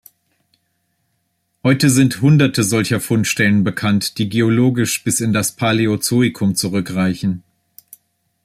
Heute sind Hunderte solcher Fundstellen bekannt, die geologisch bis in das Paläozoikum zurückreichen.